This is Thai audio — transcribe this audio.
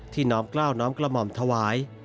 ที่น้อมกล้าวน้อมกลมอมถวาย